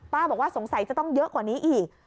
บอกว่าสงสัยจะต้องเยอะกว่านี้อีก